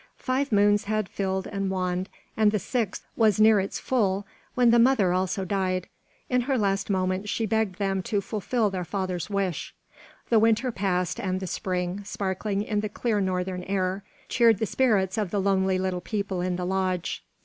Five moons had filled and waned, and the sixth was near its full, when the mother also died. In her last moments she begged them to fulfil their father's wish. The winter passed, and the spring, sparkling in the clear northern air, cheered the spirits of the lonely little people in the lodge.